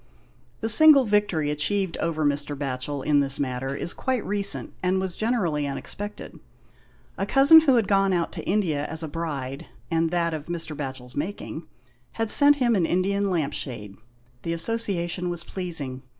The single victory achieved over Mr. Batchel in this matter is quite recent, and was generally unexpected. A cousin who had gone out to India as a bride, and that of Mr. Batchel's making, had sent him an Indian lamp shade. The association was pleasing.